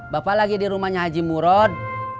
bapak lagi di rumahnya haji murod